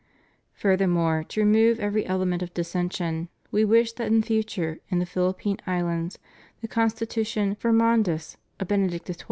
Furthermore, to remove every element of dissension. We wish that in future in the Philippine Islands the constitution Forman dis of Benedict XII.